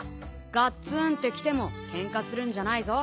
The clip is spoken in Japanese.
がっつーんってきてもケンカするんじゃないぞ。